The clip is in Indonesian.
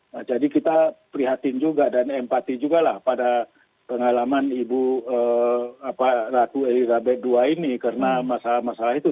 nah jadi kita prihatin juga dan empati juga lah pada pengalaman ibu ratu elizabeth ii ini karena masalah masalah itu